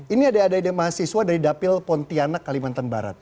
ini ada ide ide mahasiswa dari dapil pontianak kalimantan barat